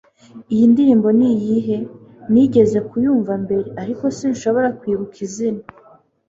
iyi ndirimbo niyihe? nigeze kubyumva mbere, ariko sinshobora kwibuka izina